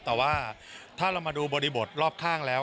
แต่ว่าถ้าเรามาดูบริบทรอบข้างแล้ว